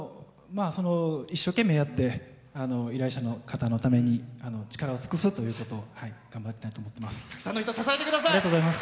一生懸命やって依頼者の方のために力を尽くすということを頑張ってやってます。